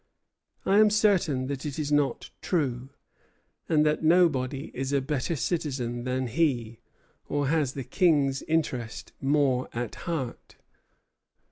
I am certain that it is not true, and that nobody is a better citizen than he, or has the King's interest more at heart."